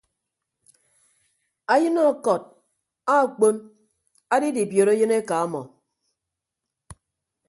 Ayịn ọkọd akpon adidibiot ayịn eka ọmọ.